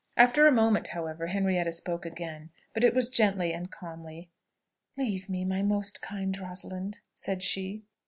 After a moment, however, Henrietta spoke again, but it was gently and calmly. "Leave me, my most kind Rosalind," said she!